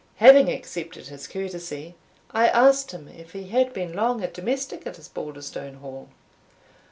Having accepted his courtesy, I asked him if he had been long a domestic at Osbaldistone Hall.